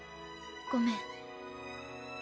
ごめん。